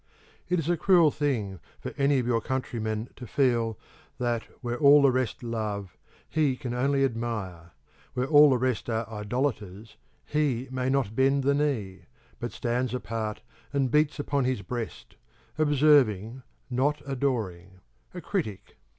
It is a cruel thing for any of your countrymen to feel that, where all the rest love, he can only admire; where all the rest are idolators, he may not bend the knee; but stands apart and beats upon his breast, observing, not adoring a critic.